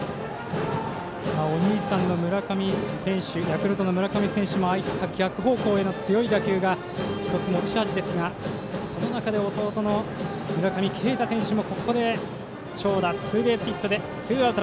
お兄さんのヤクルトの村上選手もああいった逆方向への強い打球が１つ持ち味ですがその中で弟の村上慶太選手もここで長打、ツーベースヒット。